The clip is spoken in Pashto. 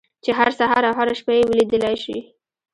چې هر سهار او هره شپه يې وليدلای شئ.